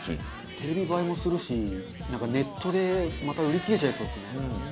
テレビ映えもするしなんかネットでまた売り切れちゃいそうですね。